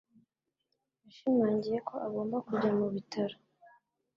Yashimangiye ko agomba kujya mu bitaro.